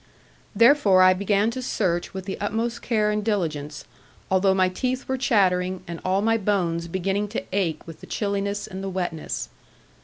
Therefore I began to search with the utmost care and diligence, although my teeth were chattering, and all my bones beginning to ache with the chilliness and the wetness.